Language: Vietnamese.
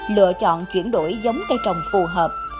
lựa chọn chuyển đổi giống cây trồng phù hợp